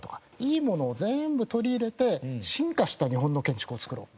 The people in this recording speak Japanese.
いいものを全部取り入れて進化した日本の建築を造ろう。